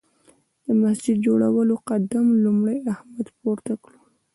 د مسجد جوړولو قدم لومړی احمد پورته کړ.